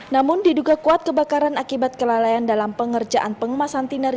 namun diduga kuat kebakaran akibat kelalaian dalam pengerjaan pengemasan tiner